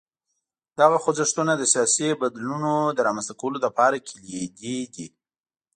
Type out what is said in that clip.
دغه خوځښتونه د سیاسي بدلونونو د رامنځته کولو لپاره کلیدي دي.